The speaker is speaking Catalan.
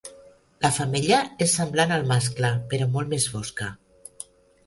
La femella és semblant al mascle però molt més fosca.